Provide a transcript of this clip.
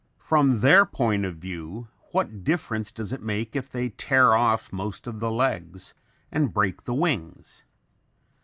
From their point of view what difference does it make if they tear off most of the legs and break the wings?